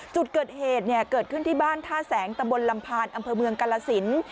จุดเกิดเหตุเนี่ยเกิดขึ้นที่บ้านท่าแสงตะบนลำพานอำเภอเมืองกาลสิน